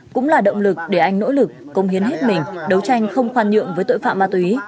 cũng là động lực để anh nỗ lực công hiến hết mình đấu tranh không khoan nhượng với tội phạm ma túy